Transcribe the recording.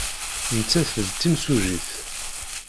Nettat d timsujjit.